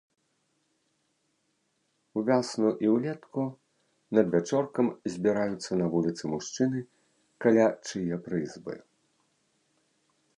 Увясну і ўлетку надвячоркам збіраюцца на вуліцы мужчыны каля чые прызбы.